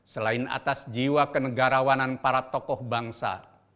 selain atas jiwa kenegarawanan para tokoh bangsa